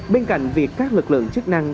bên cạnh việc các lực lượng chức năng